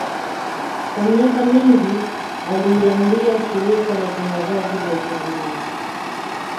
Kwa miaka mingi aliiambia shirika la utangazaji la Ujerumani